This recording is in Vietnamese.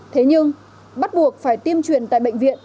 thế nhưng bắt buộc phải tiêm truyền tại bệnh viện